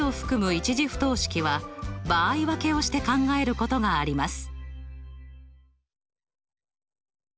１次不等式は場合分けをして考えることがあります。